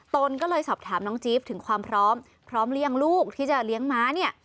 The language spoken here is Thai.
ตนก็เลยสอบถามน้องจี๊บถึงความพร้อมพร้อมเลี่ยงลูกที่จะเลี้ยงม้าเนี่ย